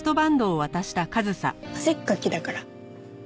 汗っかきだから。